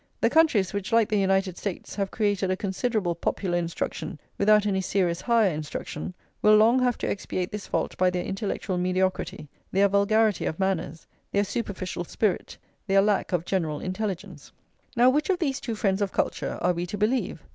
The countries which, like the United States, have created a considerable popular instruction without any serious higher instruction, will long have to expiate this fault by their intellectual mediocrity, their vulgarity of manners, their superficial spirit, their lack of general intelligence."* Now, which of these two friends of culture are we to believe?